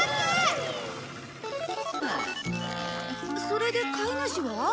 それで飼い主は？